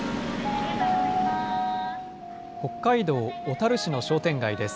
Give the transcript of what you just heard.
北海道小樽市の商店街です。